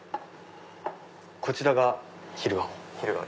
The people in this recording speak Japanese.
こちらが昼顔。